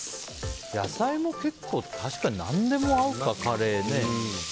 野菜も結構確かに何でも合うか、カレーね。